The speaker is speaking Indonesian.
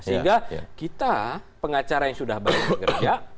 sehingga kita pengacara yang sudah banyak bekerja